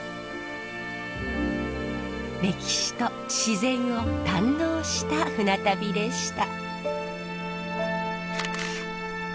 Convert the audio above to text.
歴史と自然を堪能した船旅でした。